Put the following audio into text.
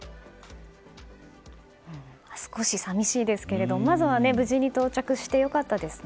少し寂しいですけどまずは無事に到着して良かったですね。